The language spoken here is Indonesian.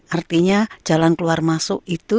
artinya jalan keluar masuk itu